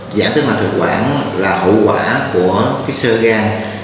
giảm thế mất thực quản là hậu quả của sơ gan